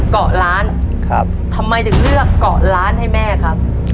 เกาะล้านครับทำไมถึงเลือกเกาะล้านให้แม่ครับ